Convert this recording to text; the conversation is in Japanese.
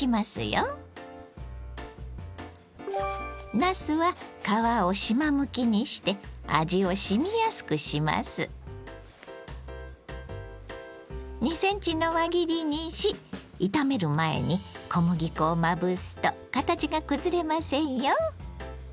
なすは２ｃｍの輪切りにし炒める前に小麦粉をまぶすと形が崩れませんよ。